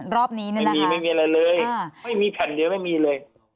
รอบนี้ไม่มีไม่มีอะไรเลยไม่มีแผ่นเดียวไม่มีเลย